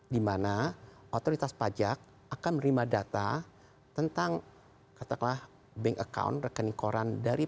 dimana otoritas pajak akan menerima data tentang katakanlah bank account rekening koran dari